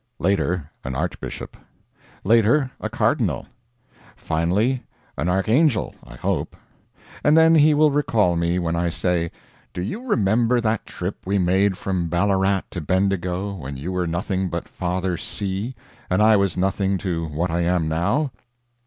Later an Archbishop. Later a Cardinal. Finally an Archangel, I hope. And then he will recall me when I say, "Do you remember that trip we made from Ballarat to Bendigo, when you were nothing but Father C., and I was nothing to what I am now?"